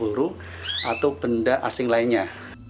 peluru ini yg ber ritas pun terbiturankan